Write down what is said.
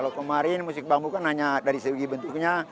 kalau kemarin musik bambu kan hanya dari segi bentuknya